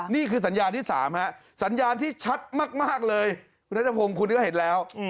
นี่คือสัญญาณที่๓สัญญาณที่ชัดมากเลยคุณนัทพงศ์คุณก็เห็นแล้ว